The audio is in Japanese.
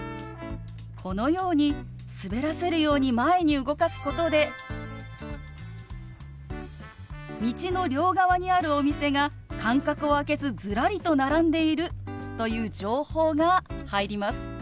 このように滑らせるように前に動かすことで道の両側にあるお店が間隔を空けずずらりと並んでいるという情報が入ります。